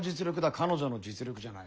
彼女の実力じゃない。